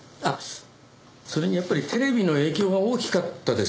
それにやっぱりテレビの影響が大きかったですよ。